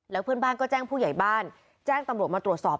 แล้วเพื่อนบ้านก็แจ้งผู้ใหญ่บ้านแจ้งตำรวจมาตรวจสอบ